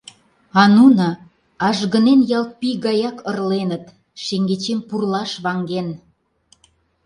А нуно, ажгынен ялт пий гаяк, ырленыт, шеҥгечем пурлаш ваҥен…